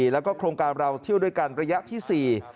แล้วก็โครงการเราเที่ยวด้วยกันระยะที่๔